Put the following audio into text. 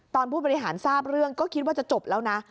ผู้บริหารทราบเรื่องก็คิดว่าจะจบแล้วนะ